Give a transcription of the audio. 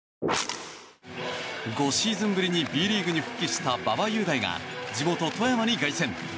５シーズンぶりにＢリーグに復帰した馬場雄大が地元・富山に凱旋。